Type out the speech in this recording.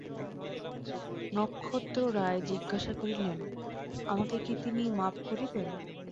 নক্ষত্ররায় জিজ্ঞাসা করিলেন, আমাকে কি তিনি মাপ করিবেন?